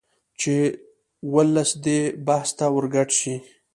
چې ولس دې بحث ته ورګډ شي